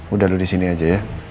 udah lo disini aja ya